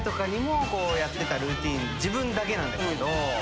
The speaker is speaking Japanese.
自分だけなんですけど。